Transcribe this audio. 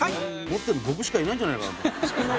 持ってるの僕しかいないんじゃないかな。